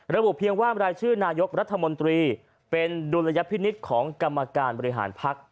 ระบุเพียงว่ารายชื่อนายกรัฐมนตรีเป็นดุลยพินิษฐ์ของกรรมการบริหารพัก